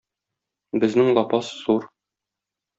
Безнең лапас зур.